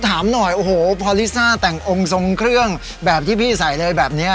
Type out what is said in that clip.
ถามหน่อยโอ้โหพอลิซ่าแต่งองค์ทรงเครื่องแบบที่พี่ใส่เลยแบบนี้